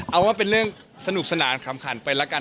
เอาว่าเป็นเรื่องสนุกสนานขำขันไปแล้วกัน